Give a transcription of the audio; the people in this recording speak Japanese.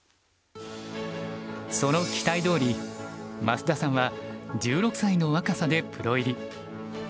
その期待どおり増田さんは１６歳の若さでプロ入り。